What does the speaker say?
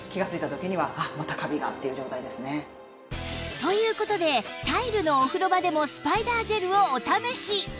という事でタイルのお風呂場でもスパイダージェルをお試し！